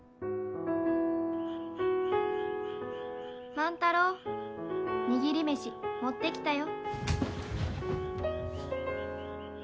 ・万太郎握り飯持ってきたよ。